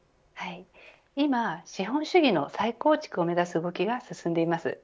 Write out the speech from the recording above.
今資本主義の再構築を目指す動きが進んでいます。